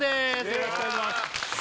よろしくお願いします